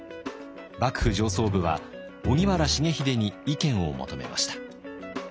幕府上層部は荻原重秀に意見を求めました。